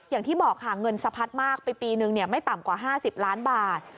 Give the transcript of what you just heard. อย่างที่บอกค่ะเงินสะพัดมากไปปีนึงไม่ต่ำกว่า๕๐ล้านบาท